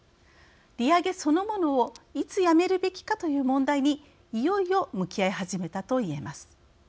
利上げそのものをいつやめるべきかという問題にいよいよ向き合い始めたと言えます。